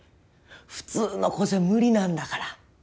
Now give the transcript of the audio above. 普通の子じゃ無理なんだから。